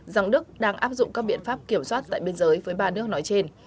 rằng đức đang áp dụng các biện pháp kiểm soát tại biên giới với ba nước nói trên